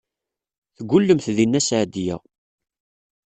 Teggullemt deg Nna Seɛdiya.